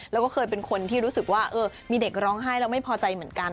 แล้วก็เคยเป็นคนที่รู้สึกว่ามีเด็กร้องไห้แล้วไม่พอใจเหมือนกัน